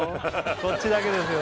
こっちだけですよ